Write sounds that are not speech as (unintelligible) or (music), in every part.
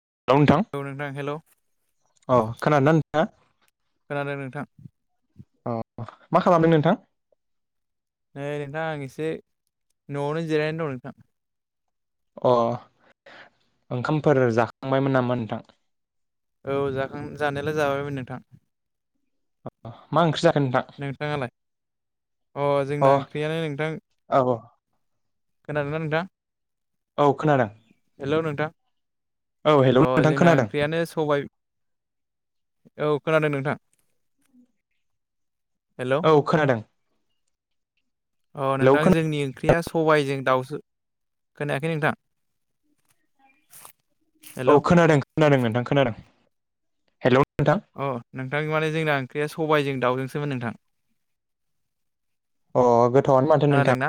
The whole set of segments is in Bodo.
हेल' नोंथां औ हेलौ औ खोना नोंथाङा? आरो नोंथां अ मा खालामदों नोंथां नै नोंथां एसे न'आवनो जिरायनो दं नोंथां अ ओंखामफोर जाखांबायमोन नामा नोंथां औ जाखां जानायालाय जाबायमोन नोंथां। मा ओंख्रि जा नोंथाङालाय अ जोंना ओंख्रैयानो नोंथां औ खोनादों नोंथां औ खोनादों हेल' नोंथां औ हेलौ अ नोंथां जोंना खोनादों ओंख्रियानो सबाय औ खोनादों नोंथां हेलौ औ खोनादों अ हेलौ नोंदां जोंनि ओं ख्रिया सबबायजों दाउसो खोनायाखै नोंथां हेलौ औ खोनादों खोनादों नोंथां खोनादों हेल' अ नोंथां माने जोंना ओंख्रिया सबायाइजों दाउजोंसोमोन नोंथां। अ गोथावआनो माथो नोंथां खोनादोंना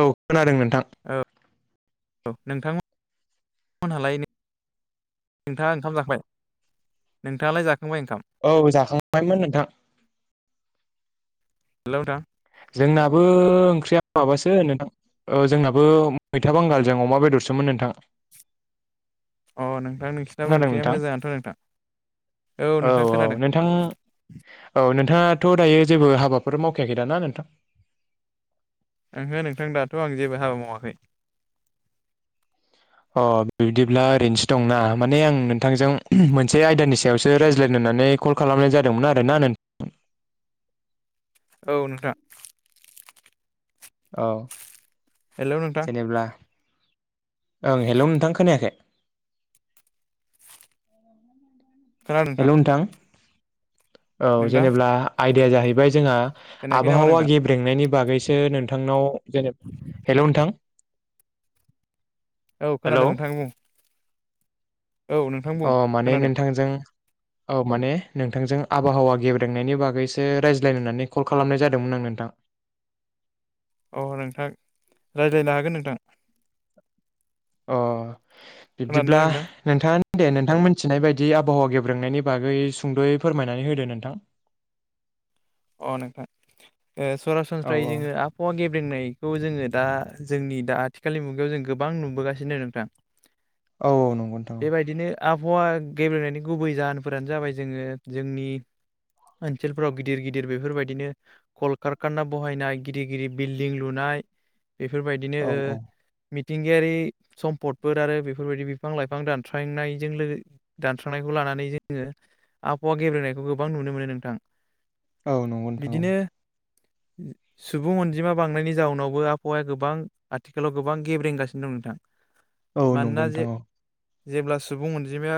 औ खोनादों नोंथां। औ औ नोंथांमोना फन हालायनो नोंथाङा ओंखाम जाखाबाय नोंथाङालाय जा औ जाखांबायमोन नोंथां। हेलौ नोंथां जोंनाबो ओंख्रिया माबासो नोंथां जोंनाबो मैथा बांगालजों अमा बेदर सोमोन नोंथां। अ नोंथां नोंसिनाबो खोनादों ओंख्रिया नोंथां मोजांङानोथ' नोंथां। औ नोंथां औ खोनादों नोंथां औ नोंथाङा थ' दायो जेबो हाबाफोर मावखायाखै द ना नोंथां ओहो नोंथां दाथ' आं जेबो हाबा मावाखै अ बिदिब्ला ओरैनोसो दंना माने आं नोंथांजों मोनसे आयदानि सायावसो रायज्लायनो होननानै कल खालामनाय जादोंमोन आरोना नोंथां औ नोंथां औ हेल' नोंथां जेनेब्ला ओं हेल' नोंथां खोनायाखै हेल' नोंथां। औ नोंथां जेनेब्ला आयदाया जाहैबाय जोंहा खोनायाखै नामा आबहावा नोंथां गेब्रेंनायनि बागैसो नोंथांनाव जेनेब हेल' नोंथां। औ हेलौ खोनादों नोंथां बुं औ नोंथां अ बुं माने खोनादों नोंथांजों औ माने नोंथांजों आबहावा गेबदोंनायनि बागैसो रायज्लायनो होननानै कल खालामनाय जादोंमोन आं नोंथां अ नोंथां रायज्लायनो हागोन नोंथां। अ खोनादों बिब्दिब्ला ना नोंथां दे नोंथां मिथिनाय बायदि आबहावा गेब्रांनायनि बागै सुंद'यै फोरमायनानै होदो नोंथां (unintelligible) अ नोंथां ओ औ सरासनस्रायै जोंङो आबहावा गेब्रेनायखौ जोङो दा जोंनि दा आथिखालनि मुगायाव जों गोबां नुबोगासिनो नोंथां। औ औ नंगौ नोंथां बेबायदिनो आबहावा गेब्लेनायनि गुबै जाहोनफोरानो जाबाय जोंङो जोंनि ओसोलफ्राव गिदिर गि गिदिर बेफोरबायदिनो कल कारखाना बहायनाय गिदिर गिदिर बिल्डिं लुनाय बेफोरबायदिनो औ औ ओ मिथिंगायारि सम्पदफोर आरो बेफोरबायदि बिफां लाइफां दानस्रांनायजों लोगो दानस्रांनायखौ लानानै नानै जोङो आबहावा गेब्रेनायखौ गोबां नुनो मोनो नोंथां। औ नंगौ नोंथां औ। बिदिनो सुबुं अनजिमा बांनायनि जाउनावबो आबहावाया गोबां आथिखालाव गोबां गेब रेंगासिनो दं नोंथां। औ नंगौ मानोना जे नोंथां औ। जेब्ला सुबुं अनजिमाया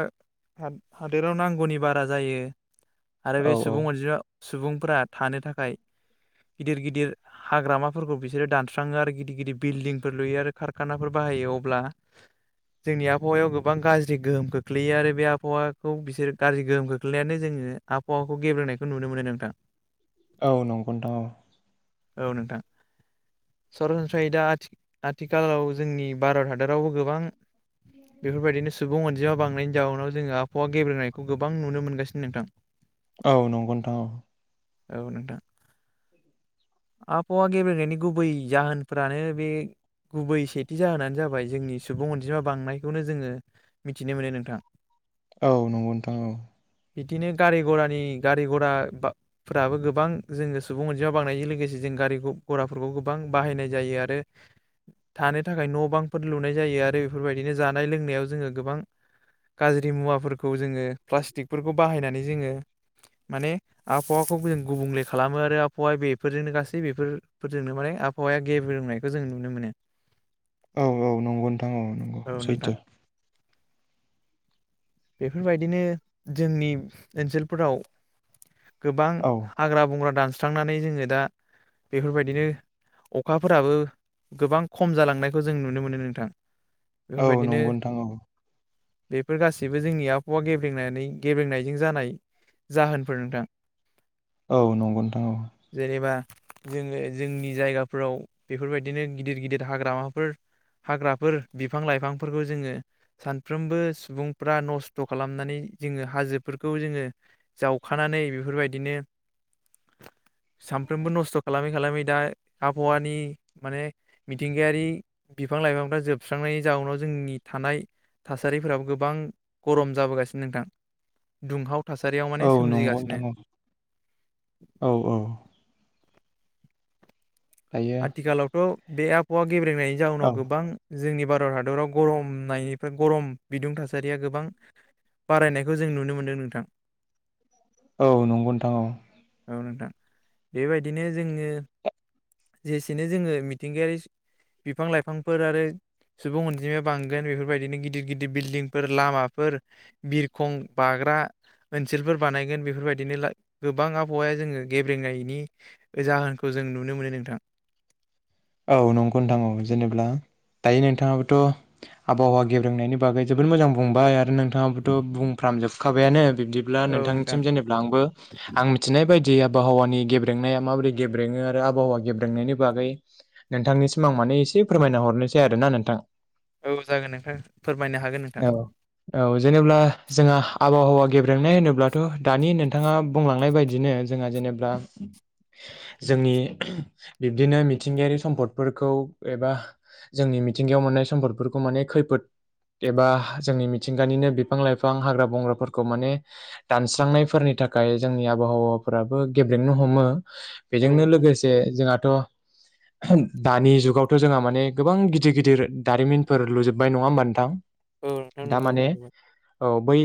हादोराव नांगौनि बारा जायो आरो औ बे सुबुं अनजिमा सुबुंफोरा थानो थाखाय गिदिर गिदिर हाग्रामाफोरखौ बिसोरो दानस्राङो आरो गिदिर गिदिर बिल्डिंफोर लुयो आरो कारखानाफोर बानायो (unintelligible) अब्ला जोंनि आबहावायाव गोबां गाज्रि गोहोम खोख्लैयो आरो बे आबहावाखौ बिसोर गाज्रि गोहोम खोख्लैनायानो जोंनि आबहावाखौ गेब्रेनायखौ नुनो मोनो नोंथां औ नंगौथां औ। औ नोंथां सरासनस्राहैदा आथिखालाव जोंनि भारत हादरावबो गोबां बेफोरबायदिनोस सुबुं अनजिमा बांनायनि जाउनाव जोङो आबहावा गेबेनायखौ गोबां नुनो मोनगासिनो नोंथां औ नंगौ नोंथां औ औ नोंथां आबहावा गेबेनायनि गुबै जाहोनफ्रानो बे गुबै सेथि जाहोनानो जाबाय जोंनि सुबुं अनजिमा बांनायखौनो जोङो मिथिनो मोनो नोंथां औ नंगौ नोंथां औ बिदिनो गारि घरानि गारि घरा फोराबो गोबां जोङो सुबुं अनजिमा बांनायजों लोगोसे जों गारि गघराफोरखौ गोबां बाहायनाय जायो आरो (inaudible) थानो थाखाय न' बांफोर लुनाय जायो आरो बेफोरबायदिनो जानाय लोंनायाव जोङो गोबां गाज्रि मुवाफोरखौ जोङो प्लास्टिकफोरखौ बाहायनानै जोङो माने आबहावाखौ जों गुबुंले खालामो आरो आबहावाया बेफोरजोंनो गासै बेफोरजोंनो माने आबहावाया गेब फोरोंनायखौ जों नुनो मोनो (inaudible) औ औ नोंथां। बुंथिगिरिनि जेबो खोनानो मोननाय जायाखै बेफोरबायदिनो जोंनि ओनसोलफोराव गोबां औ हाग्रा बंग्रा दानस्रांनानै जोङो दा बेफोरबायदिनो अखाफोराबो गोबां खम जालांनायखौ जों नुनो मोनो नोंथां औ बेफोरबायदिनो नंगौ नोंथां औ। बेफोर गासैबो जोंनि आबहावा गेब्रेंनानै गेब्रेनायजों जानाय जाहोनफोर नोंथां औ नंगौ नोंथां औ जेनेबा जोङो जोंनि जायगाफोराव बेफोरबायदिनो गिदिर गिदिर हाग्रामाफोर हाग्राफोर बिफां लाइफांफोरखौ जोंङो सानफ्रोमबो सुबुंफ्रा नस्थ खालामनानै जोङो हाजोफोरखौ जोङो जावखानानै बेफोरबायदिनो (inaudible) बुंथिगिरिनि जेबो खोनानो मोननाय जायाखै सानफ्रोमबो नस्थ' खालामै खालामै दा आबहावानि माने मिथिंगायारि बिफां लाइफांफ्रा जोबस्रांनायनि जाउनाव जोंनि थानाय थासारिफोराबो गोबां गरम जाबोगासिनो नोंथां दुंहाव थासारियाव माने औ नंगौ नोंथां सोमजिगासिनो औ औ दायो आथिखालावथ' बे आबहावा गेब्रेनायनि औ जाउनाव गोबां जोंनि भारत हादराव गरमनायनिफ्राय गरम बिदुं थासारिया गोबां बारायनायखौ जों नुनो मोनदों नोंथां। औ नंगौ नोंथां औ। नोंथां बेबायदिनो जोंङो, जेसेनो जोंङो मिथिंगायारि बिफां ला-इफांफोर आरो सुबुं अनजिमाया बांगोन। बेफोरबायदिनो गिदिर- गिदिर बिल्दिंफोर, लामाफोर बिरखं बा (unintelligible) ओनसोलफोर बानायगोन। बेफोरबायदिनो गोबां आबहावाया जोङो गेब्रेंनायनि जाहोनखौ जों नुनो मोनो नोंथां। औ नंगौ नोंथां, औ जेनेबा दायो नोंथाङाबोथ', आबहावा गेब्रेंनायनि बागै जोबोद मोजां बुंबाय आरो (unintelligible) नोंथाङाबोथ' बुंफ्राम जोबखाबायानो। बिब्दिब्ला औ नोंथां नोंथांनिसिम जेनेबा आंबो आं मिथिनाय बायदि जे आबहावानि गेब्रेंनाया माबोरै गेब्रेङो आरो आबहावा गेब्रेंनायनि बागै नोंथांनिसिम आं माने एसे फोरमायना हरनोसै आरो ना नोंथां। औ जागोन नोंथां फोरमायनो हागोन नोंथां औ, औ जेनेब्ला जोंहा आबहावा गेब्रेंनाय होनोब्लाथ' दानि नोंथाङा बुंलांनाय बायदिनो जोंहा जेनेबा जोंनि बिब्दिनो मिथिंगायारि सम्पदफोरखौ एबा जोंनि मिथिंगायाव मोननाय सम्पदफोरखौ माने खैफोद एबा जोंनि मिथिंगानिनो बिफां, -लाइफां, हाग्रा- बंग्राफोरखौ माने दानस्रांनायफोरनि थाखाय जोंनि आबहावाफोराबो गेब्रेंनो हमो। औ बेजोंनो नोंथां लोगोसे जोंहाथ' (inaudible) दानि जुगावथ' जोंहा माने गोबां गिदिर -गिदिर दारिमिनफोर लुजोबबाय नङा होमबा नोंथां? औ नोंथां नंगौ दामाने औ, बै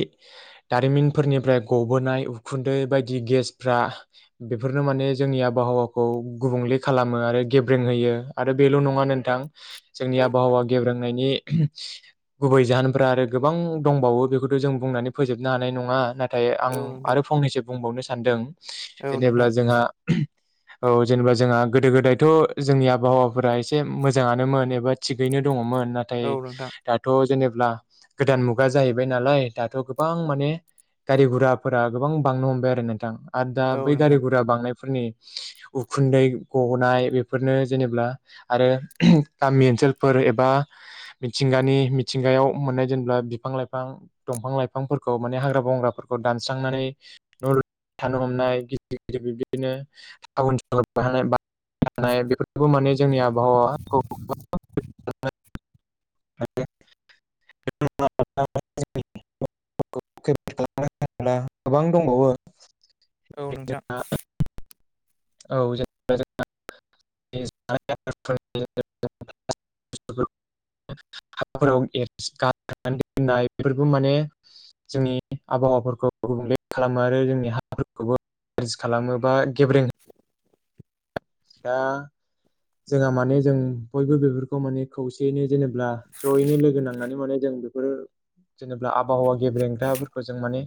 दारिमिनफोरनिफ्राय गबोनाय उखुन्दै बायदि गेसफ्रा बेफोरनो माने जोंनि आबहावाखौ गुबुंले खालाम खालामो आरो गेब्रेंहोयो आरो बेल' नङा नोंथां। जोंनि औ आबहावा गेब्रेंनायनि गुबै जाहोनफ्रा आरो गोबां दंबावो बेखौथ जों बुंनानै फोजोबनो हानाय नङा। नाथाय नाथाय आं औ नोंथां आरो फंनैसो बुंबावनो सानदों औ नोंथां औ जेनेब्ला नोंथां जोंहा औ जेनेबा जोंहा गोदो गोदायथ' जोंनि आबहावाफोरा एसे मोजांनोमोन एबा थिगैनो दङमोन। नाथाय औ नोंथां दाथ' जेनेब्ला, गोदान मुगा जाहैबाय नालाय दाथ' गोबां माने गारि -गुराफोरा गोबां बांनो हमबाय आरो नोंथां। आरो दा औ बै गारि -गुरा बांनायफोरनि उखुन्दै गनाय बेफोरनो जेनेब्ला आरो गामि ओनसोलफोर एबा (unintelligible) (unintelligible) मिथिंगायाव मोननाय जेनेबा- बिफां- लाइफां, दंफां- लाइफांफोरखौ माने हाग्रा- बंग्राफोरखौ दानस्रां (unintelligible) (unintelligible) बेफोरखौ माने जोंनि आबहावा (unintelligible) (unintelligible) (unintelligible) गोबां दंबावो। औ नोंथां। जोंहा (unintelligible) (unintelligible) बेफोरखौ माने जोंनि आबहावाफोरखौ गुबुंले खालामो आरो जोंनि हाफोरखौबो (unintelligible) दा जोंहा माने, जों बयबो बेफोरखौ माने खौसेयैनो जेनेबा जयैनो लोगो नांनानै माने जों बेफोरो जेनेबा आबहावा गेब्रेंग्राफोरखौ जों माने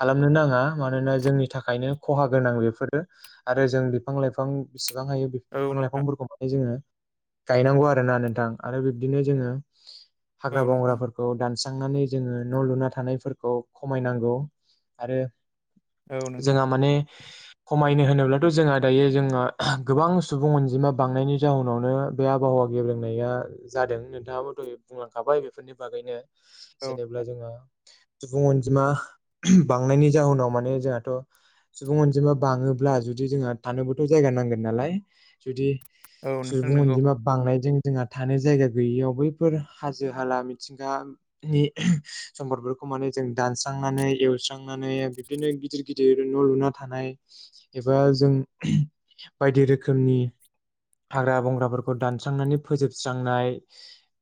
खालामनो नाङा। मानोना जोंनि थाखायनो खहा गोनां बेफोरो आरो जों बिफां -लाइफां बेसेबां हायो बिफां औ -लाइफांफोरखौ माने जोङो गायनांगौ आरोना नोंथां आरो बिब्दिनो जोङो हाग्रा नोंथां बंग्राफोरखौ दानस्रांनानै जोङो न' लुना थानायफोरखौ खमायनांगौ। आरो औ जोंहा नोंथां माने खमायनो होनोब्लाथ' जोंहा दायो जोंहा गोबां सुबुं अनजिमा बांनायनि जााहोनावनो बे आबहावा गेब्रेंनाया जादों। नोंथाङाबो बुंलांखाबाय बेफोरनि बागैनो औ जेनेबा जोंङो सुबुं अनजिमा बांनायनि जाहोनाव माने जोंहाथ सुबुं अनजिमा बाङोब्ला जुदि जोंहा थानोबोथ' जायगा नांगोन। नालाय जुदि औ नोंथां सुबुं नंगौ अनजिमा बांनायजों जोंहा थानो जायगा गैयियाव बैफोर हाजो हाला मिथिंगानि सम्पदफोरखौ जों दानस्रांनानै एवस्रांनानै बिबदिनो गिदिर गिदिर न लुना थानाय दा जों बायदि रोखोमनि हाग्रा बंग्राफोरखौ दानस्रांनानै फोजोबस्रांनाय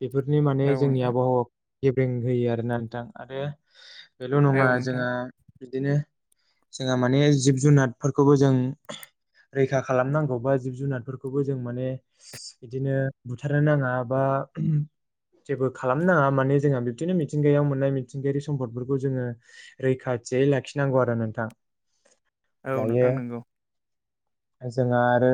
बेफोरनि माने औ जोंनि नोंथां आबहावा गेब्रें होयो आरोना नोंथां आरो। बेल' औ नङा नोंथां जोंहा बिदिनो जोंहा माने जिब जुनारफोरखौबो जों रैखा खालामनांगौ बा जिब जुनारफोरखौबो जों माने बिदिनो बुथारनो नाङा बा (inaudible) जेबो खालामनो नाङा माने जोंहा बिब्दिनो मिथिंगायाव मोननाय मिथिंगायारि सम्पदफोरखौ जोङो रैखा जेयै लाखिनांगौ आरो नोंथां। औ दायो नोंथां नंगौ। जोंहा आरो।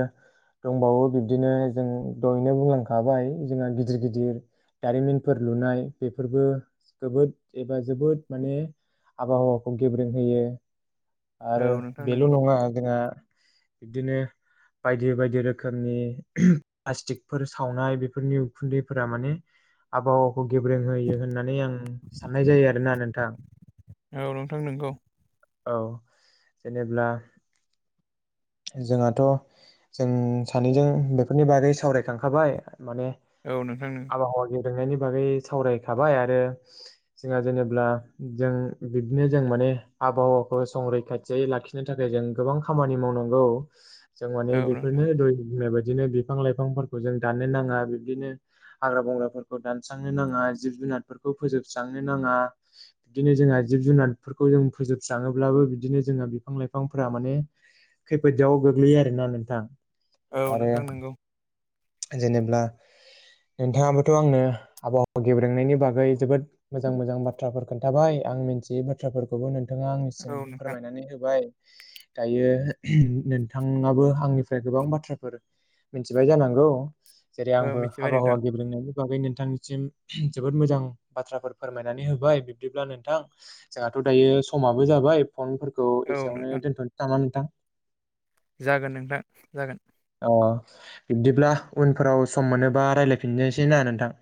दंबावो बिब्दिनो जों दहैनो बुंलांखाबाय जोंहा गिदिर गिदिर दारिमिनफोर लुनाय बेफोरबो जबोद एबा जोबोद माने आबहावाखौ गेब्रेें होयो आरो औ नोंथां बेल' नंगौ नङा जोंहा बिदिनो बायदि बायदि रोखोमनि प्लास्टिकफोर सावनाय बेफोरनि उखुन्दैफोरा माने आबहावाखौ गेब्रोंहोयो होननानै आं साननाय जायो आरोना नोंथां। औ नोंथां नंगौ। औ जेनेब्ला जोंहाथ' जों सानैजों बेफोरनि बागै सावरायखांखाबाय माने औ नोंथां नों आबहावा सोंनायनि बागै सावरायखाबाय आरो जोंहा जेनेब्ला जों बिबदिनो जों माने आबहावाखौ संरैखाथियै लाखिनो थाखाय जों गोबां खामानि मावनां औ जों औ माने नोंथां बेफोरनो दहाय बुंनाय बाद बिदिनो बिफां लाइफांफोरखौ जों दाननो नाङा बिबदिनो हाग्रा बंग्राफोरखौ दानस्रांनो नाङा जिब जुनार जुनारफोरखौ फोजोबस्रांनो नाङा। बिदिनो जोंहा जिब जुनारफोरखौ जों फोजोबस्राङोब्लाबो बिदिनो जोंहा बिफां लाइफांफोरा माने खैफोद जाव गोग्लैयो आरोना नोंथां। औ आरो नोंथां नंगौ। जेनेब्ला नोंथाङाबोथ' आंनो आबहावा गेब्रेंनायनि बागै जोबोद मोजां मोजां बाथ्राफोर खोन्थाबाय, दा आं मोनथियै बाथ्राफोरखौबो नोंथाङा आंनिसिम औ नोंथां फोरमायनानै होबाय। दायो नोंथाङाबो आंनिफ्राय गोबां बाथ्राफोर मिथिबाय जानांगौ। जेरै औ आंबो मिथिबाय नोंथां आबहावा गेब्रेंनायनि बागै नोंथांनिसिम जोबोद मोजां बाथ्राफोर फोरमायनानै होबाय बिब्दिब्ला नोंथां जोंहाथ' दायो समाबो जाबाय फनफोरखौ औ एसेयावनो नोंथां दोनथ'नोसै नामा नोंथां। जागोन नोंथां जागोन। अ बिब्दिब्ला उनफोराव सम मोनोबा रायलायफिननोसै ना नोंथां।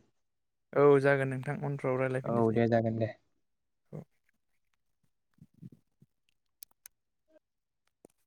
औ जागोन नोंथां उनफ्राव औ रायलायफिननोसै दे जागोन दे औ (inaudible)